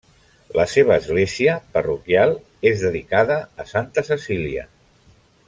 La seva església, parroquial, és dedicada a santa Cecília.